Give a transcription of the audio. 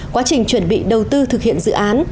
quá trình chuẩn bị đầu tư thực hiện dự án